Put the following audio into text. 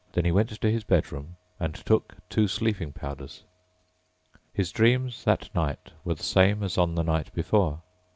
Then he went to his bedroom and took two sleeping powders. His dreams that night were the same as on the night before.